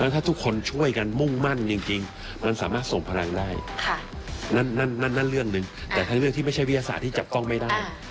ถ้าทุกคนช่วยกันมุ่งมั่นจริงมันสามารถส่งพลังได้นั่นเรื่องหนึ่งแต่ทั้งเรื่องที่ไม่ใช่วิทยาศาสตร์ที่จับกล้องไม่ได้